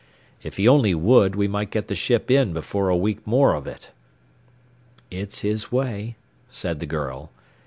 If he only would, we might get the ship in before a week more of it." "It's his way," said the girl.